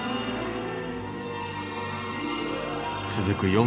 続く